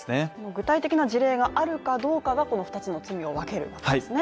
具体的な事例があるかどうかがこの二つの罪を分けるんですね。